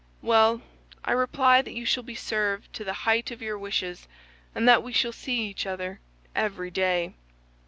"Well, I reply that you shall be served to the height of your wishes, and that we shall see each other every day."